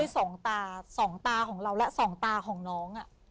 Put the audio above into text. สองตาสองตาของเราและสองตาของน้อง